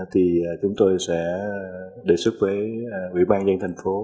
thì chúng tôi sẽ đề xuất với ủy ban nhân thành phố